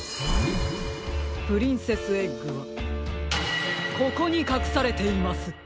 プリンセスエッグはここにかくされています！